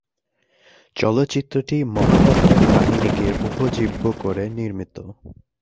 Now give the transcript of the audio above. চলচ্চিত্রটি মহাকাব্যের কাহিনীকে উপজীব্য করে নির্মিত।